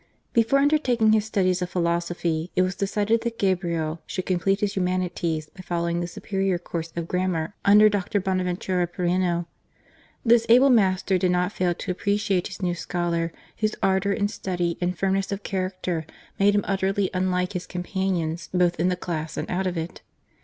Before undertaking his studies of philosophy, it was decided that Gabriel should complete his humanities by following the superior course of grammar ' under Dr. Bonaventura Proano. This able master did not fail to appreciate his new scholar, whose ardour in study and firmness of character made him utterly unlike his companions both in the class and out of it.